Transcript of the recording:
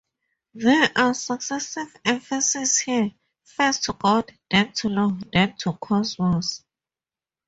There are successive emphases here, first to 'God', then to 'Law', then to 'Cosmos'.